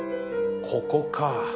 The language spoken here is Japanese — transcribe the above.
ここか